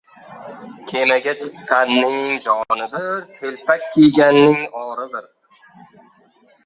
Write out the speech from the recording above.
• Kemaga chiqqanning joni bir, telpak kiyganning ori bir.